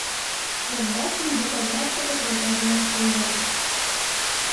Як бачна, гэтая практыка працягваецца і зараз.